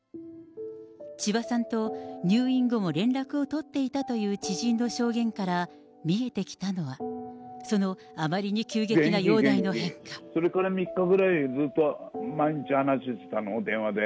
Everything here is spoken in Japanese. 千葉さんと入院後も連絡を取っていたという知人の証言から見えてきたのは、その、元気元気、それから３日ぐらい毎日話していたの、電話で。